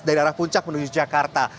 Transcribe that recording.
dari arah puncak menuju jakarta